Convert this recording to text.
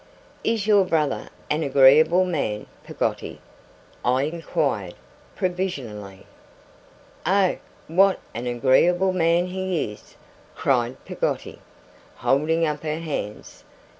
'Is your brother an agreeable man, Peggotty?' I inquired, provisionally. 'Oh, what an agreeable man he is!' cried Peggotty, holding up her hands.